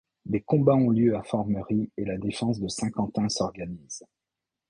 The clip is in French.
Des combats ont lieu à Formerie et la défense de Saint-Quentin s'organise.